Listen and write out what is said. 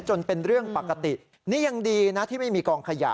เป็นเรื่องปกตินี่ยังดีนะที่ไม่มีกองขยะ